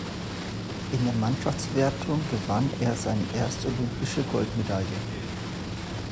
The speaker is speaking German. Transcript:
In der Mannschaftswertung gewann er seine erste olympische Goldmedaille.